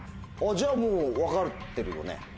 じゃあもう分かってるよね？